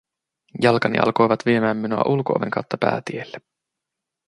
Jalkani alkoivat viemään minua ulko-oven kautta päätielle.